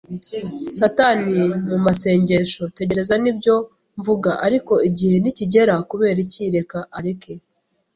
satani mu masengesho. Tegereza nibyo mvuga; ariko igihe nikigera, kubera iki, reka areke! ”